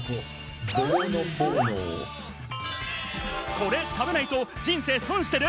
これ食べないと人生損してる！？